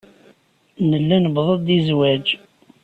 Nella nuweḍ-d i zzwaj.